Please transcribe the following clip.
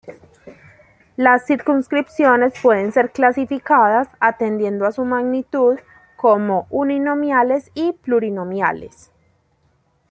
Las circunscripciones pueden ser clasificadas, atendiendo a su magnitud, como uninominales y plurinominales.